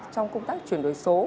trong công tác chuyển đổi số